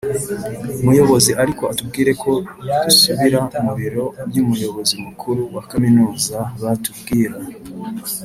Muyobozi ariko atubwira ko dusubira mu biro by umuyobozi mukuru wa kaminuza batubwira